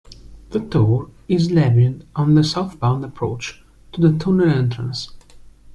The toll is levied on the southbound approach to the tunnel entrance.